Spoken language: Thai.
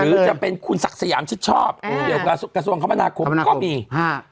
หรือจะเป็นคุณศักดิ์สยามชิดชอบเกี่ยวกับกระทรวงคมนาคมก็มีฮะ